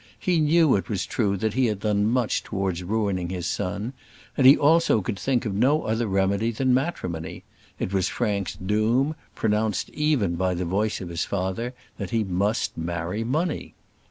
He knew it was true that he had done much towards ruining his son; and he also could think of no other remedy than matrimony. It was Frank's doom, pronounced even by the voice of his father, that he must marry money.